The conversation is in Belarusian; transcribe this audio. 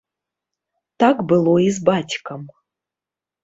Так было і з бацькам.